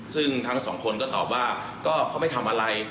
ซึ่งทั้งสองคนก็ตอบว่าก็เขาไม่ทำอะไร